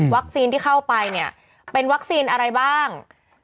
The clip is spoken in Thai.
ที่เข้าไปเนี่ยเป็นวัคซีนอะไรบ้าง